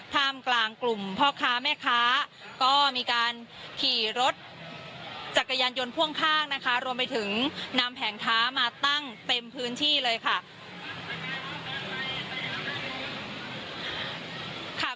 ท่ามกลางกลุ่มพ่อค้าแม่ค้าก็มีการขี่รถจักรยานยนต์พ่วงข้างนะคะรวมไปถึงนำแผงค้ามาตั้งเต็มพื้นที่เลยค่ะ